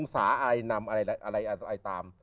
ใครนำอะไรตาม